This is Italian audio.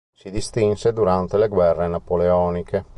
Si distinse durante le guerre napoleoniche.